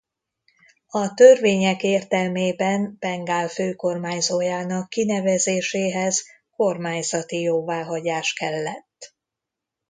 A törvények értelmében Bengál főkormányzójának kinevezéséhez kormányzati jóváhagyás kellett.